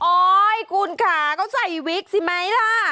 โอ๊ยคุณค่ะก็ใส่วิกสิไหมล่ะ